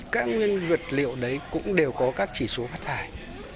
các nguyên vật liệu đấy cũng đều có các chỉ số phát thải